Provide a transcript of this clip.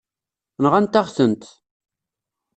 Nɣant-aɣ-tent.